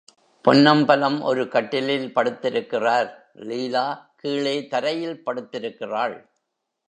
பொன்னம்பலம் ஒரு கட்டிலில் படுத்திருக்கிறார், லீலா கீழே தரையில் படுத்திருக்கிறாள்.